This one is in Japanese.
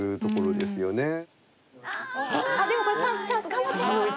でもこれチャンスチャンス頑張って！